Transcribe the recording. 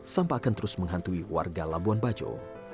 sampah akan terus menghantui warga labuan bajo